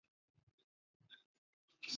勒格灵是德国巴伐利亚州的一个市镇。